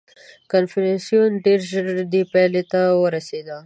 • کنفوسیوس ډېر ژر دې پایلې ته ورسېد.